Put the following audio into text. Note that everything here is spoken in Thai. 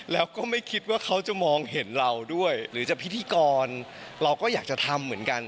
แล้วก็ไม่คิดว่าเขาจะมองเห็นเราด้วยหรือจะพิธีกรเราก็อยากจะทำเหมือนกัน